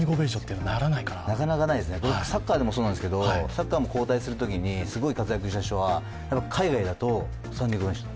サッカーでもそうなんですけどサッカーでも交代するときにすごい活躍した人は海外だとスタンディングオベーション。